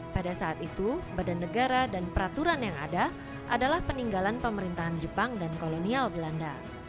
pada saat itu badan negara dan peraturan yang ada adalah peninggalan pemerintahan jepang dan kolonial belanda